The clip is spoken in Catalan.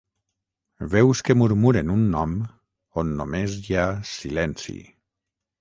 Veus que murmuren un nom on només hi ha silenci.